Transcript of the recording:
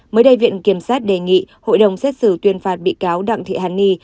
mới đây viện kiểm sát đề nghị hội đồng xét xử tuyên phạt bị cáo đặng thị hằng nhi